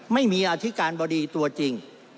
ไม่มีอธิการบดีตัวจริง